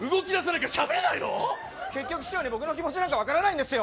結局、師匠に僕の気持ちなんか分からないんですよ。